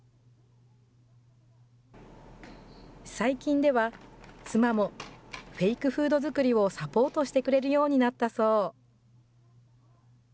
最近では、妻もフェイクフード作りをサポートしてくれるようになったそう。